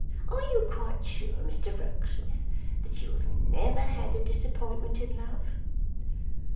Are you quite sure, Mr Rokesmith, that you have never had a disappointment in love?